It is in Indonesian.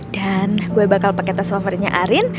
dan gue bakal pakai tas favoritnya arin